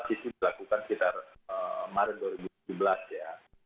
itu dilakukan sekitar maret dua ribu tujuh belas ya